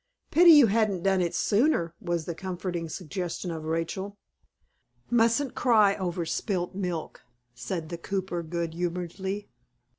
"Pity you hadn't done it sooner," was the comforting suggestion of Rachel. "Mustn't cry over spilt milk," said the cooper, good humoredly.